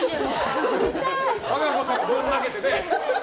和歌子さんぶん投げてね。